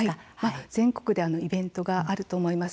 全国でイベントがあると思います。